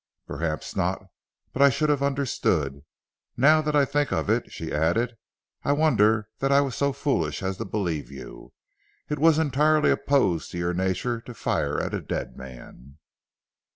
"Perhaps not; but I should have understood. Now that I think of it," she added, "I wonder that I was so foolish as to believe you. It was entirely opposed to your nature to fire at a dead man."